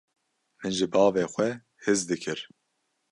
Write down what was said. Min ji bavê xwe hez dikir.